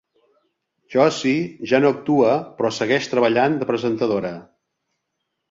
Josie ja no actua però segueix treballant de presentadora.